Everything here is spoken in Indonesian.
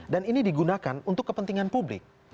dan ini digunakan untuk kepentingan publik